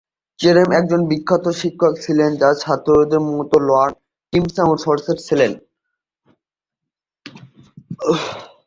জেরম একজন বিখ্যাত শিক্ষক ছিলেন, যার ছাত্রদের মধ্যে লর্ড টিনমাউথ এবং হোরেস মান ছিলেন।